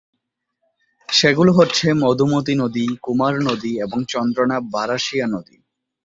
সেগুলো হচ্ছে মধুমতি নদী, কুমার নদী এবংচন্দনা-বারাশিয়া নদী।